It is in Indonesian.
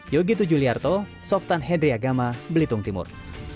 yogi tujuliarto softan hedriagama belitung timur